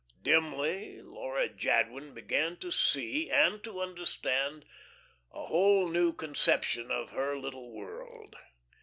Dimly Laura Jadwin began to see and to understand a whole new conception of her little world.